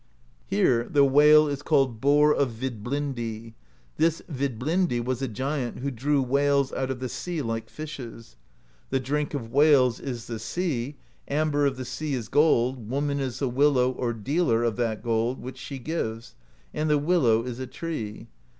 Here the whale is called Boar of Vidblindi; this Vidblindi was a giant who drew whales out of the sea like fishes. The Drink of Whales is the sea; Amber of the Sea is gold; woman is the Willow, or Dealer, of that gold which she gives; and the willow is a tree.